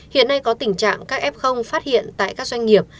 hiện nay có tình trạng các f phát hiện tại các doanh nghiệp